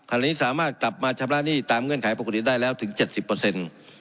อันนี้สามารถกลับมาชำระหนี้ตามเงื่อนไขปกติได้แล้วถึงเจ็ดสิบเปอร์เซ็นต์